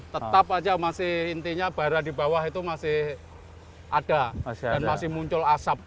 tetap saja masih intinya bara di bawah itu masih ada dan masih muncul asap